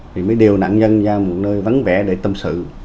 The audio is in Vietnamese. thì mới điều nạn nhân ra một nơi vắng vẻ để tâm sự